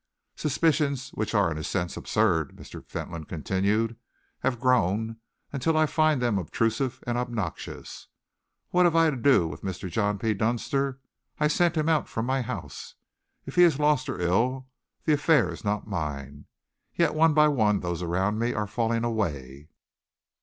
"Suspicions which are, in a sense, absurd," Mr. Fentolin continued, "have grown until I find them obtrusive and obnoxious. What have I to do with Mr. John P. Dunster? I sent him out from my house. If he is lost or ill, the affair is not mine. Yet one by one those around me are falling away.